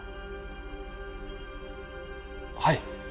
はい。